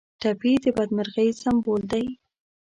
ټپي د بدمرغۍ سمبول دی.